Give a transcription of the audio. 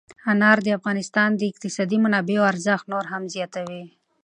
انار د افغانستان د اقتصادي منابعو ارزښت نور هم زیاتوي.